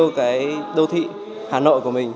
thêm yêu cái đô thị hà nội của mình